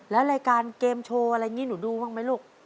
แล้วรายการเกมโชว์อะไรอย่างนี้หนูดูบ้างไหมลูก